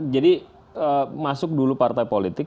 jadi masuk dulu partai politik